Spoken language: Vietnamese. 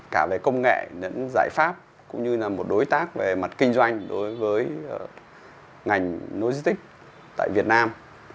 cả về công nghệ những giải pháp cũng như là một đối tác về mặt kinh doanh đối với ngành logistics tại việt nam